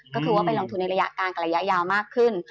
ก็คือว่าไปลงทุนในระยะกลางกับระยะยาวมากขึ้น